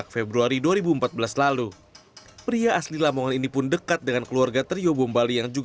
karena ini masih terjadi terjedet kepada orang terima kasih burung